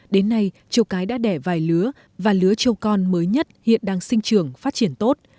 đến nay trâu cái đã đẻ vài lứa và lứa trâu con mới nhất hiện đang sinh trường phát triển tốt